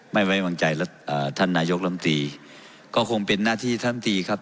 ไม่ไว้บังใจอ่าท่านนายกลำตีก็คงเป็นหน้าที่ท่านน้ำตีครับ